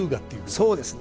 そうですね。